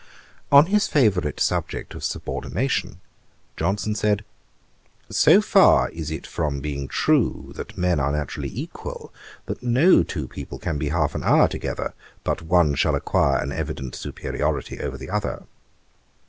On his favourite subject of subordination, Johnson said, 'So far is it from being true that men are naturally equal, that no two people can be half an hour together, but one shall acquire an evident superiority over the other.'